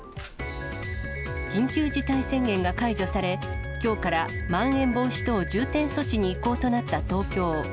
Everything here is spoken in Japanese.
緊急事態宣言が解除され、きょうからまん延防止等重点措置に移行となった東京。